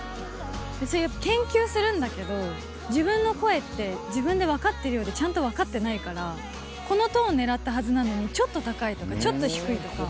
それはやっぱり、研究するんだけど、自分の声って、自分で分かってるようでちゃんと分かってないから、このトーンねらったはずなのに、ちょっと高いとか、ちょっと低いとか。